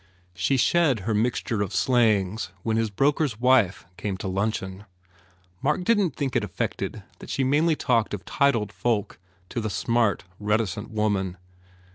She shed her mixture of slangs when his broker s wife came to luncheon. Mark didn t think it affected that she mainly talked of titled folk to the smart, reticent woman.